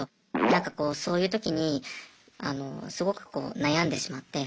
なんかこうそういう時にあのすごくこう悩んでしまって。